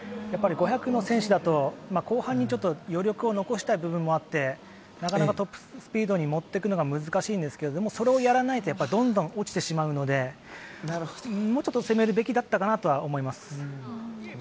５００の選手だと、後半に余力を残したい部分もあってなかなかトップスピードに持っていくのが難しいんですけどそれをやらないとどんどん落ちてしまうのでもうちょっと攻めるべきだったかなとは思います。